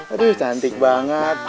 aduh cantik banget